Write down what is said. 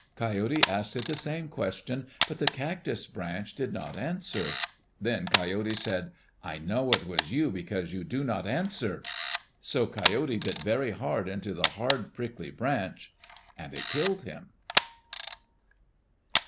Coyote asked it the same question, but the cactus branch did not answer. Then Coyote said, "I know it was you because you do not answer." So Coyote bit very hard into the hard, prickly branch, and it killed him.